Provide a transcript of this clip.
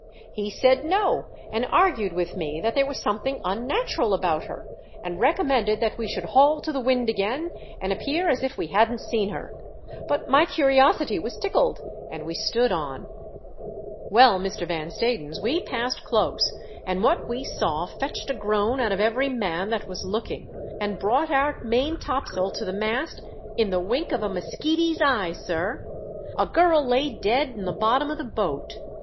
He said 'No,' and argued with me that there was something unnatural about her, and recommended that we should haul to the I AM ALONE. 513 wind again and appear as if we hadn't seen her, but my curiosity was tickled and we stood on. Well, Mr. Van Stadens, we passed close and what we saw fetched a groan out of every man that was looking and brought our main topsail to the mast in the wink of a muskeety's eye, sir. A girl lay dead in the bottom of the boat.